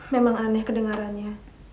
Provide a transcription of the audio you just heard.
memang aneh kedengarannya